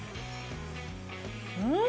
うん！